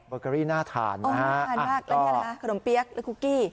เบอร์เกอรี่หน้าถ่านนะฮะขนมเปี๊ยกและคุกกี้